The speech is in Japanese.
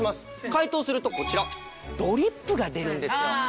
解凍するとこちらドリップが出るんですよ。